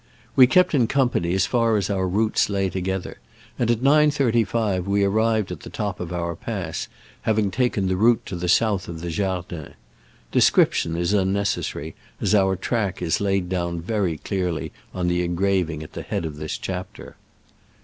We kept in company as far as our routes lay together, and at 9.35 we Arrived at the top of our pass, haying taken the route to the south of the Jardin. De scription is unnecessary, as our track is laid down very clearly on the engraving at the head of this chapter.